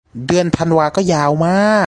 เดือนธันวาก็ยาวมาก